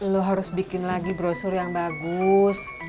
lu harus bikin lagi brosur yang bagus